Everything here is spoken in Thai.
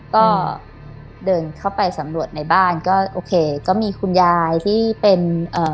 ก็เดินเข้าไปสำรวจในบ้านก็โอเคก็มีคุณยายที่เป็นเอ่อ